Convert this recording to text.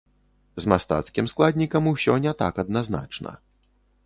З мастацкім складнікам усё не так адназначна.